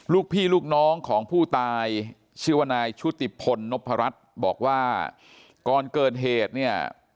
ลูกพี่ลูกน้องของผู้ตายชื่อว่านายชุติพลนพรัชบอกว่าก่อนเกิดเหตุเนี่ย